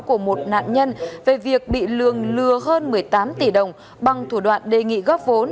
của một nạn nhân về việc bị lường lừa hơn một mươi tám tỷ đồng bằng thủ đoạn đề nghị góp vốn